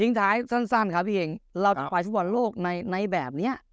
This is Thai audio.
เออสั้นเราจะไปฝุดบอลโลกในแบบนี้